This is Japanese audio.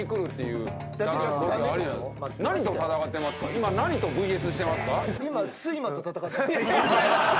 今何とＶＳしてますか？